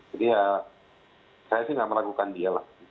jadi ya saya sih gak melakukan dia lah